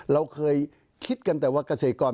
เราเคยคิดกันแต่ว่าเกษตรกร